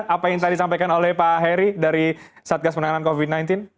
apa yang tadi disampaikan oleh pak heri dari satgas penanganan covid sembilan belas